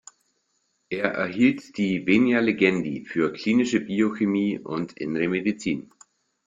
Er erhielt die "venia legendi" für Klinische Biochemie und Innere Medizin.